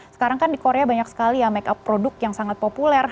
sekarang kan di korea banyak sekali ya make up produk yang sangat populer